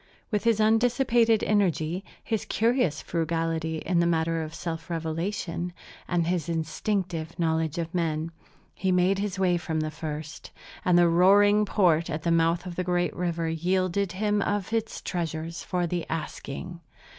With his undissipated energy, his curious frugality in the matter of self revelation, and his instinctive knowledge of men, he made his way from the first, and the roaring port at the mouth of the great river yielded him of its treasures for the asking.